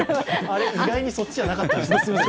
意外にそっちじゃなかったんですね。